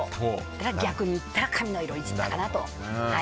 逆にいったら髪の色かなと。